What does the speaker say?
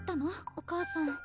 お母さん。